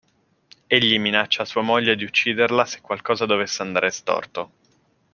Egli minaccia sua moglie di ucciderla se qualcosa dovesse andare storto.